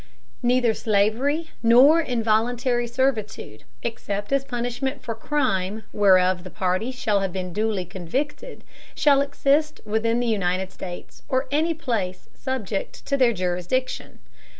Neither slavery nor involuntary servitude, except as a punishment for crime whereof the party shall have been duly convicted, shall exist within the United States, or any place subject to their jurisdiction.